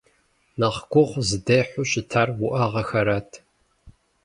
Нэхъ гугъу зыдехьу щытар уӏэгъэхэрат.